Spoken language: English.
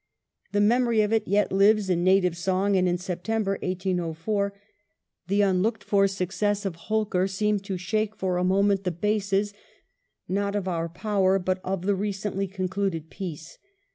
The memory of it yet lives in native song, and in September, 1804, the unlooked for success of Holkar seemed to shake for a moment the bases, not of our power, but of the recently concluded peace.